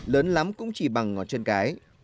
lớn lắm cũng chỉ bằng ngón chân cái